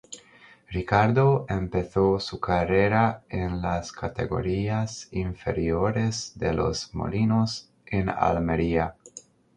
Ricardo empezó su carrera en las categorías inferiores de Los Molinos, en Almería.